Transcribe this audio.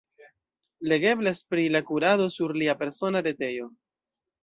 Legeblas pri la kurado sur lia persona retejo.